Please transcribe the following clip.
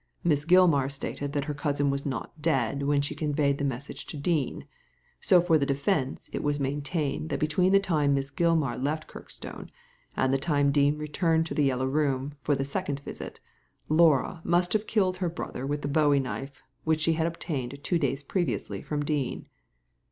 Miss Gilmar stated that her cousin was not dead when she con veyed the message to Dean: so for the defence it was maintained that between the time Miss Gilmar left Kirkstone and the time Dean returned to the Yellow Room for the second visit, Laura must have killed her brother with the bowie knife, which she had obtained two days previously from Dean."